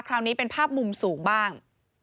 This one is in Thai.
คราวนี้เป็นภาพมุมสูงบ้าง